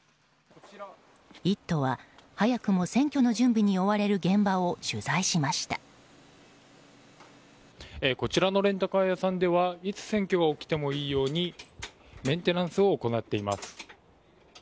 「イット！」は早くも選挙の準備に追われるこちらのレンタカー屋さんではいつ選挙が起きてもいいようにメンテナンスを行っています。